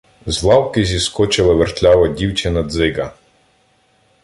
З лавки зіскочила вертлява дівчина-дзиґа: